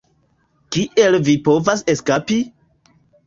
Kiel vi povas eskapi?"